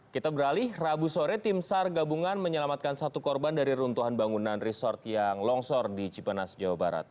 kita beralih rabu sore tim sar gabungan menyelamatkan satu korban dari runtuhan bangunan resort yang longsor di cipenas jawa barat